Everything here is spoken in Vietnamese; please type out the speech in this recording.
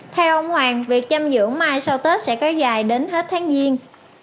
theo ông hoàng việc chăm dưỡng mai sau tết sẽ kéo dài đến hết tháng giêng